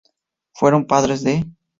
Fueron padres de.